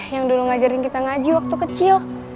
yang dulu ngajarin kita ngaji waktu kecil